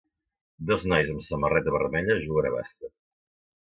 dos nois amb samarreta vermella juguen a bàsquet